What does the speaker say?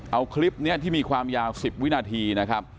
เอาคลิปนี้ที่มีความยาว๑๐วินาทีนะครับ